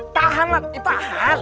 tahan lah tahan